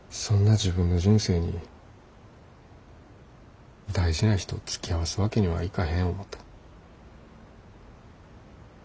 そんな自分の人生に大事な人つきあわすわけにはいかへん思た。